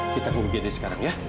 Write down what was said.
kita ngundi aja sekarang ya